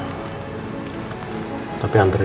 tuh masalah aja gak keberatan kok pak